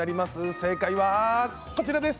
正解はこちらです。